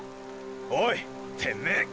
おいてめェ！！